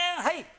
はい！